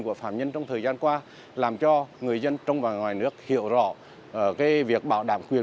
của phạm nhân trong thời gian qua làm cho người dân trong và ngoài nước hiểu rõ việc bảo đảm quyền